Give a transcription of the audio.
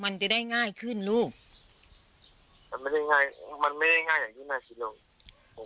มันจะได้ง่ายขึ้นลูกมันไม่ได้ง่ายมันไม่ได้ง่ายอย่างที่น่าคิดหรอก